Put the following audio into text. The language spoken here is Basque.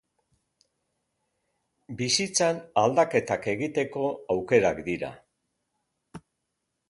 Bizitzan aldaketak egiteko aukerak dira.